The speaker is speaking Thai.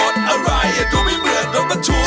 รถมะหาสนุก